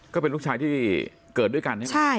ก็เป็นลูกชายที่เกิดด้วยกันใช่ไหม